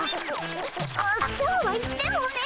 そうは言ってもね。